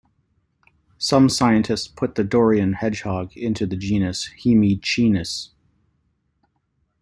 Some scientists put the Daurian hedgehog into the genus "Hemiechinus".